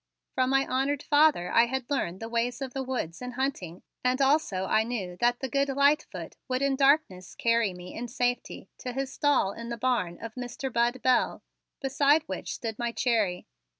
From my honored father I had learned the ways of woods in hunting and also I knew that the good Lightfoot would in darkness carry me in safety to his stall in the barn of Mr. Bud Bell, beside which stood my Cherry.